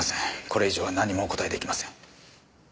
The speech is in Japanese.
これ以上は何もお答えできません。